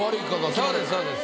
そうですそうです。